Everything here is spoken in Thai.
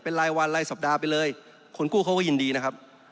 เป็นรายวันรายสัปดาห์ไปเลยคนกู้เขาก็ยินดีนะครับ